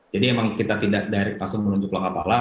jadi memang kita tidak langsung menunjuk lokapala